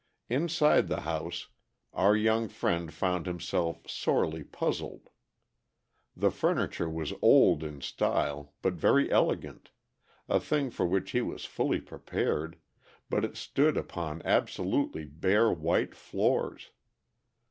Inside the house our young friend found himself sorely puzzled. The furniture was old in style but very elegant, a thing for which he was fully prepared, but it stood upon absolutely bare white floors.